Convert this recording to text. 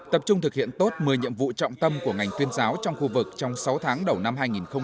tập trung thực hiện tốt một mươi nhiệm vụ trọng tâm của ngành tuyên giáo trong khu vực trong sáu tháng đầu năm hai nghìn hai mươi